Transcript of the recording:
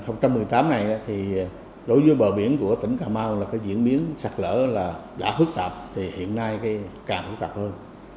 năm hai nghìn một mươi tám này đối với bờ biển của tỉnh cà mau diễn biến sạch lỡ đã phức tạp hiện nay càng phức tạp hơn